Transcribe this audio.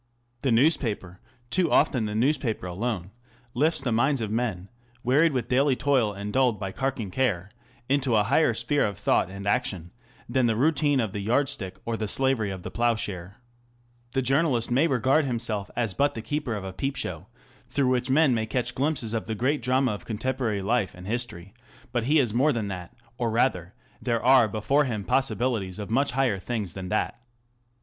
The news paper ŌĆö too often the newspaper alone ŌĆö lifts the minds of men, wearied with daily toil and dulled by carking care, into a higher sphere of thought and action than the routine of the yard stick or the slavery of Digitized by Google 664 THE CONTEMPORARY REVIEW. the ploughshare. The journalist may regard himself as but the keeper of a peep show, through which men may catch glimpses of the great drama of contemporary life and history ; but he is more than that, or rather there are before him possibilities of much higher things than that.